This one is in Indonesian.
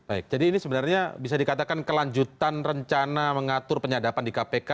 baik jadi ini sebenarnya bisa dikatakan kelanjutan rencana mengatur penyadapan di kpk